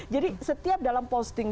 jadi setiap dalam posting